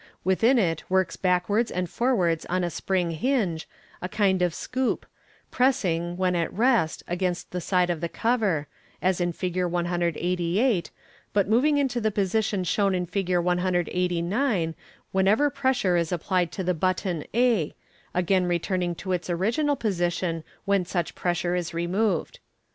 Within it works backwards and forwards on a spring hinge, a kind of scoop, pressing, when at rest, against the side of the cover, as in Fig. 188, but moving into the posi tion shown in Fig. 189 whenever pres sure is applied to the button a, again re turning to its original position when such pressure is removed.